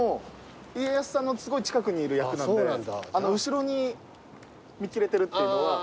家康さんのすごい近くにいる役なんで後ろに見切れてるっていうのは。